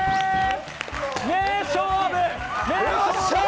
名勝負！